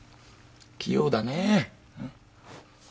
器用だねー。